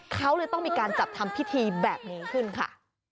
เขาเลยต้องมีการจัดทำพิธีแบบนี้ขึ้นค่ะ